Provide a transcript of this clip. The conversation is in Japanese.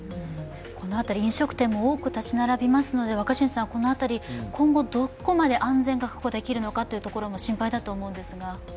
この辺り、飲食店も多く立ち並びますので、今後、どこまで安全が確保できるのか心配だと思うんですが。